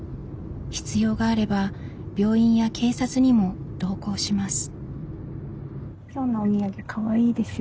必要があれば病院や警察にも同行します。